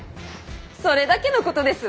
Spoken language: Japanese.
それだけのことですわ。